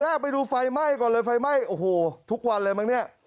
ไปดูไฟไหม้ก่อนเลยไฟไหม้โอ้โหทุกวันเลยมั้งเนี่ย